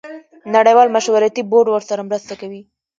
نړیوال مشورتي بورډ ورسره مرسته کوي.